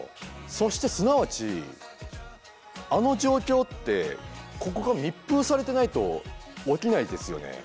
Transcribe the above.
そしてすなわちあの状況ってここが密封されてないと起きないですよね。